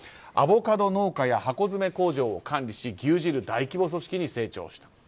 アボカド農家や箱詰め工場を管理し牛耳る大規模組織に成長した。